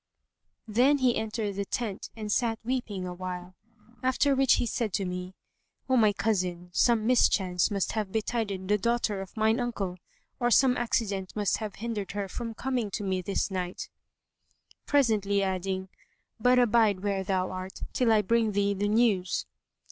Then he entered the tent and sat weeping awhile; after which he said to me, "O my cousin, some mischance must have betided the daughter of mine uncle, or some accident must have hindered her from coming to me this night," presently adding, "But abide where thou art, till I bring thee the news."